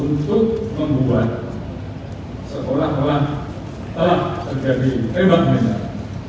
untuk membuat seolah olah telah terjadi tembak hanya